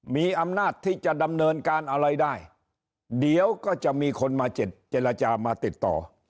มีอำนาจที่จะดำเนินการอะไรได้เดี๋ยวก็จะมีคนมาเจรจามาติดต่อ